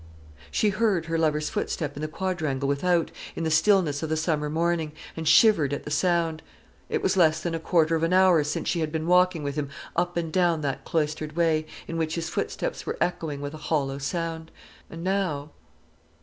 She heard her lover's footstep in the quadrangle without, in the stillness of the summer morning, and shivered at the sound. It was less than a quarter of an hour since she had been walking with him up and down that cloistered way, in which his footsteps were echoing with a hollow sound; and now